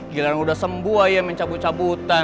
gilang udah sembuh aja mencabut cabutan